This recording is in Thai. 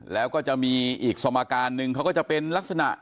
แล้วก็จะมีอีกสมการหนึ่งเขาก็จะเป็นลักษณะ